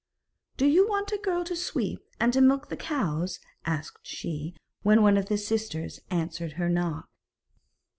'Do you want a girl to sweep, and to milk the cows?' asked she, when one of the sisters answered her knock.